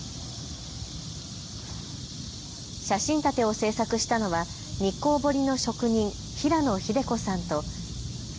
写真立てを制作したのは日光彫の職人、平野秀子さんと。